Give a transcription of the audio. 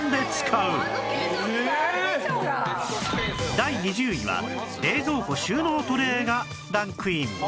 第２０位は冷蔵庫収納トレーがランクイン